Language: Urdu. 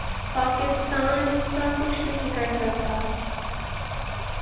پاکستان اس کا کچھ نہیں کر سکتا۔